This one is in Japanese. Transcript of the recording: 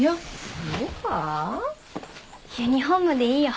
ユニホームでいいよ。